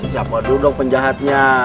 siapa dulu dong penjahatnya